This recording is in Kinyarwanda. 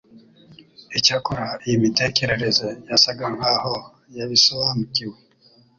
Icyakora iyi mitekerereze yasaga nkaho yabisobanukiwe